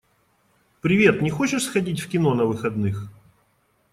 Привет, не хочешь сходить в кино на выходных?